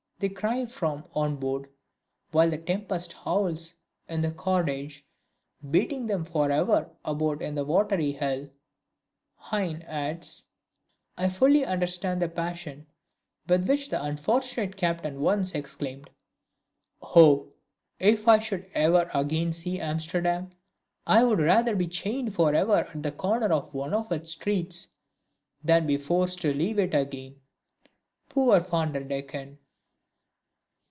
they cry from on board, while the tempest howls in the cordage, beating them forever about in their watery hell." Heine adds: "I fully understand the passion with which the unfortunate captain once exclaimed: 'Oh if I should EVER again see Amsterdam! I would rather be chained forever at the corner of one of its streets, than be forced to leave it again!' Poor Van der Decken!"